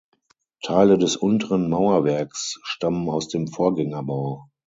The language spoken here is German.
Teile des unteren Mauerwerks stammen aus dem Vorgängerbau.